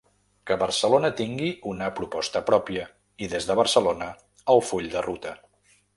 Que Barcelona tingui una proposta pròpia, i des de Barcelona, al full de ruta.